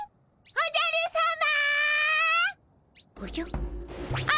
おじゃるさま！